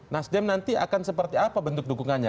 nasdem nanti akan seperti apa bentuk dukungannya